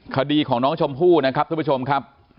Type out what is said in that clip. คดีของน้องชมพู่นะครับทุกผู้ชมครับ